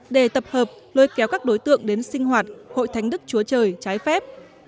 để tập hợp lôi kéo các đối tượng đến sinh hoạt hội thánh đức chúa trời trái phép